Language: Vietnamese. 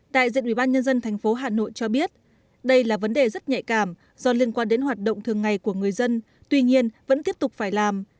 đại diện ubnd tp hà nội cho biết đây là vấn đề rất nhạy cảm do liên quan đến hoạt động thường ngày của người dân tuy nhiên vẫn tiếp tục phải làm